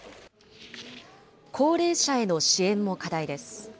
高齢者への支援も課題です。